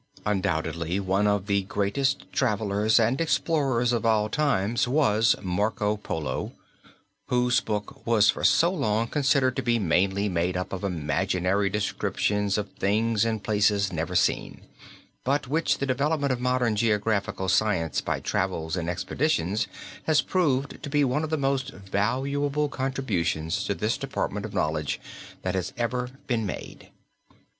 Undoubtedly one of the greatest travelers and explorers of all times was Marco Polo, whose book was for so long considered to be mainly made up of imaginary descriptions of things and places never seen, but which the development of modern geographical science by travels and expeditions has proved to be one of the most valuable contributions to this department of knowledge that has ever been made.